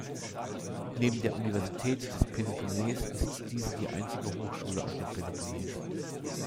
Neben der Universität des Peloponnes ist diese die einzige Hochschule auf dem Peloponnes.